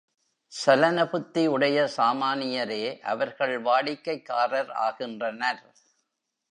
சலன புத்தி உடைய சாமானியரே அவர்கள் வாடிக்கைக்காரர் ஆகின்றனர்.